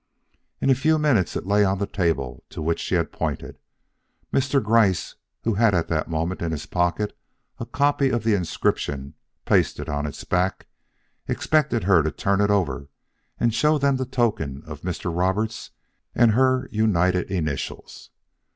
In a few minutes it lay on the table to which she had pointed. Mr. Gryce who had at that moment in his pocket a copy of the inscription pasted on its back, expected her to turn it over and show them the token of Mr. Roberts' and her united initials.